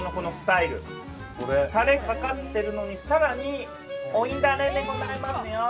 タレかかってるのにさらにおいだれでございますのよ！